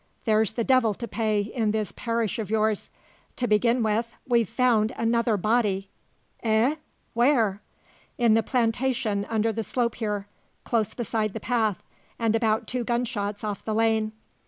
There's the devil to pay in this parish of yours. To begin with, we've found another body " "Eh? Where?" "In the plantation under the slope here close beside the path, and about two gunshots off the lane."